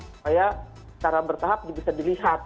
supaya secara bertahap bisa dilihat